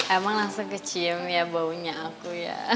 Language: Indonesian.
emang langsung kecium ya baunya aku ya